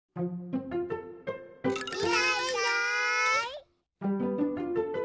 いないいない。